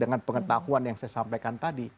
dengan pengetahuan yang saya sampaikan tadi